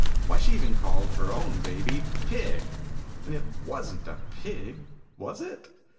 Why, she even called her own Baby "Pig!" And it wasn't a Pig, was it?